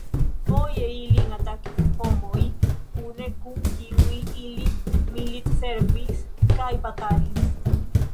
Foje ilin atakis homoj, kune kun kiuj ili militservis kaj batalis.